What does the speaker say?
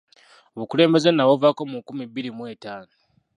Obukulembeze nabuvaako mu nkumi bbiri mu etaano.